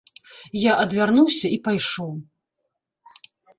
Я адвярнуўся і пайшоў.